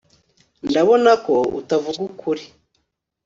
Ndabona ko utavuga ukuri